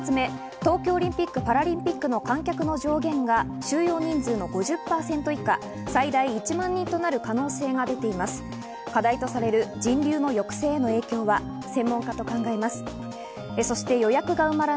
東京オリンピック・パラリンピックの観客の上限が収容人数の５０％以下、最大１万人となる可能性が出ています。